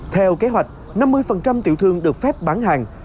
theo kế hoạch năm mươi tiểu thương được phép bán hàng